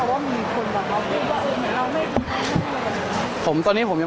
โอเคนะ